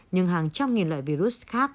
nhưng hàng trăm nghìn loại virus khác